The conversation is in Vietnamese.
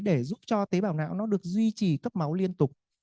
để giúp cho tế bào não nó được duy trì cấp máu liên tục